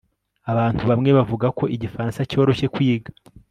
Abantu bamwe bavuga ko igifaransa cyoroshye kwiga